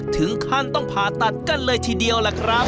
ถึงขั้นต้องผ่าตัดกันเลยทีเดียวล่ะครับ